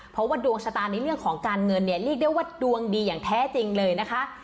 เพราะว่าดวงชะตาในเรื่องของการเงินเนี่ยเรียกได้ว่าดวงดีอย่างแท้จริงเลยนะคะ